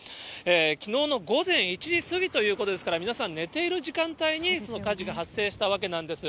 きのうの午前１時過ぎということですから、皆さん、寝ている時間帯にその火事が発生したわけなんです。